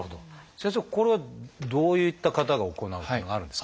先生これはどういった方が行うっていうのはあるんですか？